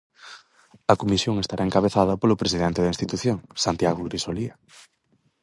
A Comisión estará encabezada polo Presidente da institución, Santiago Grisolía.